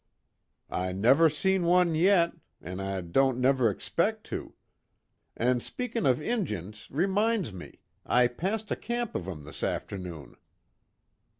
I never seen one yet an' I don't never expect to. An' speakin' of Injuns reminds me, I passed a camp of 'em this forenoon."